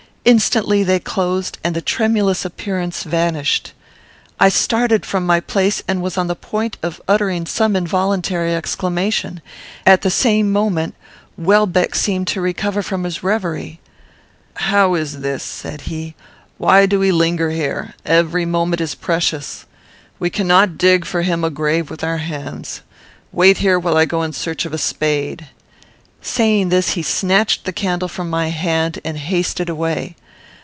Instantly they closed, and the tremulous appearance vanished. I started from my place and was on the point of uttering some involuntary exclamation. At the same moment, Welbeck seemed to recover from his reverie. "How is this?" said he. "Why do we linger here? Every moment is precious. We cannot dig for him a grave with our hands. Wait here, while I go in search of a spade." Saying this, he snatched the candle from my hand, and hasted away.